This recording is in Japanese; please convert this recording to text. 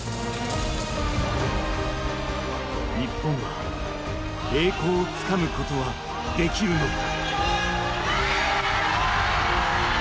日本は栄光をつかむことはできるのか。